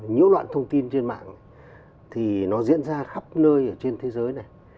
những loạn thông tin trên mạng thì nó diễn ra khắp nơi trên thế giới này